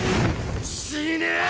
死ねぇ！